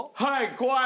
怖い！